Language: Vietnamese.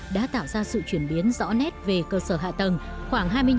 đã tạo ra sự chuyển biến rõ nét về cơ sở hạ tầng